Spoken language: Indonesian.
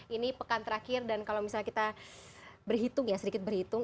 ini pekan terakhir dan kalau misalnya kita berhitung ya sedikit berhitung